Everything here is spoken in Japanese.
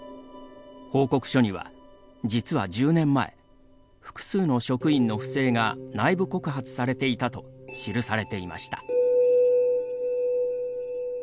報告書には、実は１０年前複数の職員の不正が内部告発されていたと記されていました。